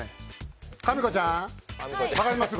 みこちゃん、分かります？